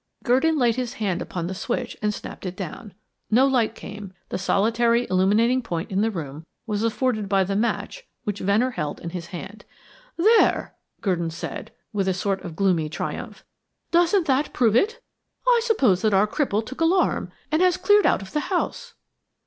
Gurdon laid his hand upon the switch and snapped it down. No light came; the solitary illuminating point in the room was afforded by the match which Venner held in his hand. "There," Gurdon said, with a sort of gloomy triumph. "Doesn't that prove it? I suppose that our cripple took alarm and has cleared out of the house."